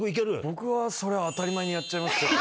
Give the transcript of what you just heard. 僕は、それは当たり前にやっちゃいますけど。